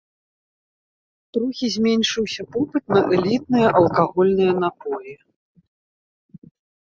Трохі зменшыўся попыт на элітныя алкагольныя напоі.